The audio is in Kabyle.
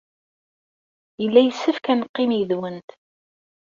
Yella yessefk ad neqqim yid-went.